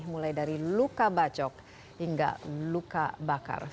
mulai dari luka bacok hingga luka bakar